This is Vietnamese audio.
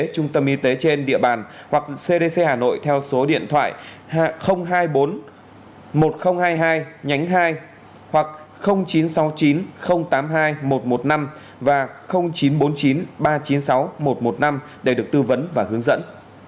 trung tâm y tế trên địa bàn hoặc cdc hà nội theo số điện thoại hai mươi bốn một nghìn hai mươi hai nhánh hai hoặc chín trăm sáu mươi chín tám mươi hai một trăm một mươi năm và chín trăm bốn mươi chín ba trăm chín mươi sáu một trăm một mươi năm để được tư vấn và hướng dẫn